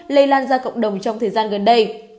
lây lan ra cộng đồng trong thời gian gần đây